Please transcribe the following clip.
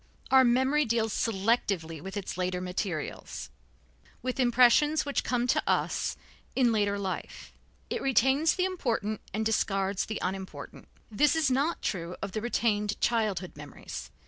Our memory deals selectively with its later materials, with impressions which come to us in later life. It retains the important and discards the unimportant. This is not true of the retained childhood memories.